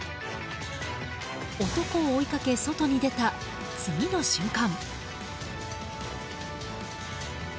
男を追いかけ外に出た次の瞬間。